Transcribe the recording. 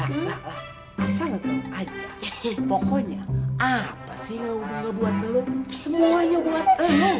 eh eh eh asal lo tau aja pokoknya apa sih yang udah gak buat lo semuanya buat lo